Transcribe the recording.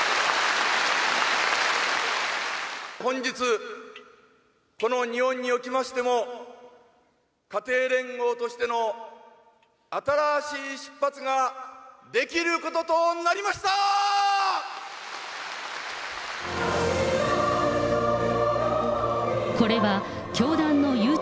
本日、この日本におきましても、家庭連合としての新しい出発ができることとなりましたー！